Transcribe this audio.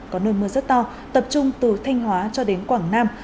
có nơi mưa rất to tập trung từ thanh hóa cho đến quảng nam